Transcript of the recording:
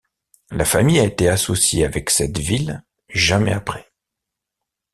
La famille a été associée avec cette ville jamais après.